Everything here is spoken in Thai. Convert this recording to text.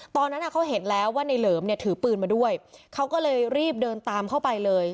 ตอนนั้นเขาเห็นแล้วว่าในเหลิมเนี่ยถือปืนมาด้วยเขาก็เลยรีบเดินตามเข้าไปเลย